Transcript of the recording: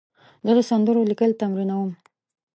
زه د سندرو لیکل تمرینوم.